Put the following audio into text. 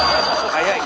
早い！